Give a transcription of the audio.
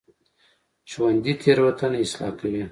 ژوندي تېروتنه اصلاح کوي